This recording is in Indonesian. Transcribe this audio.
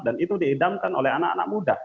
dan itu diidamkan oleh anak anak muda